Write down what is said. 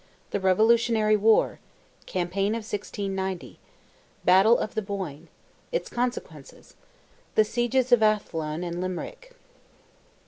THE REVOLUTIONARY WAR—CAMPAIGN OF 1690—BATTLE OF THE BOYNE—ITS CONSEQUENCES—THE SIEGES OF ATHLONE AND LIMERICK.